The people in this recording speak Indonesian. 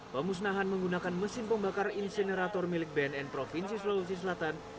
pemusnahan menggunakan mesin pembakar insenerator milik bnn provinsi sulawesi selatan